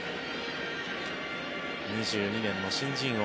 ２２年の新人王。